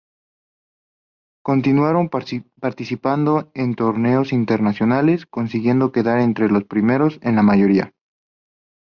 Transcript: Continuaron participando en torneos internacionales, consiguiendo quedar entre los primeros en la mayoría.